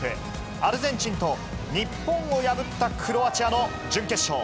アルゼンチンと日本を破ったクロアチアの準決勝。